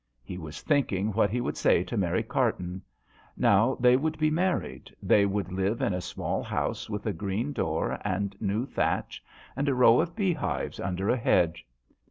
He was thinking what he would say to Mary Carton. Now they would be married, they would live in a small house with a green door and new thatch, and a row of beehives under a hedge.